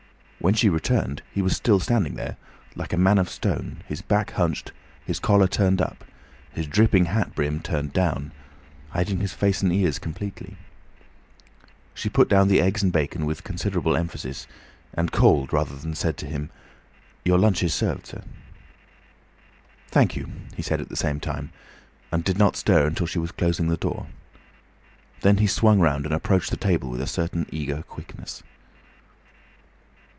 When she returned he was still standing there, like a man of stone, his back hunched, his collar turned up, his dripping hat brim turned down, hiding his face and ears completely. She put down the eggs and bacon with considerable emphasis, and called rather than said to him, "Your lunch is served, sir." "Thank you," he said at the same time, and did not stir until she was closing the door. Then he swung round and approached the table with a certain eager quickness.